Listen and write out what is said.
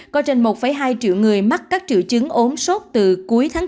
có trên một hai triệu người mắc các triệu chứng ốm sốt từ cuối tháng bốn